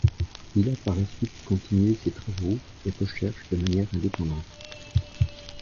Il a par la suite continué ses travaux et recherches de manière indépendante.